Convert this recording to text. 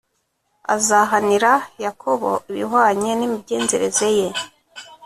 azahanira Yakobo ibihwanye n imigenzereze ye